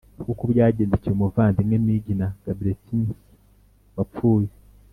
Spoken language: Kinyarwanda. nk uko byagendekeye umuvandimwe Misghina Gebretinsae wapfuye